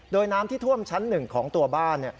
โดยน้ำที่ท่วมชั้น๑ของตัวบ้าน